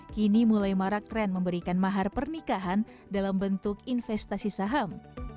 kini mulai marak tren memberikan mahar pernikahan dalam bentuk investasi saham